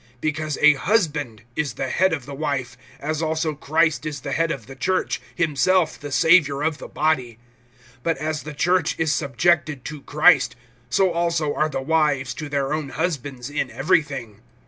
(23)Because a husband is the head of the wife, as also Christ is the head of the church; himself the Savior of the body. (24)But as the church is subjected to Christ, so also are the wives to their own husbands in everything.